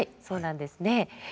そうなんですね。